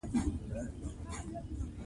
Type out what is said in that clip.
بامیان د افغانستان یوه طبیعي ځانګړتیا ده.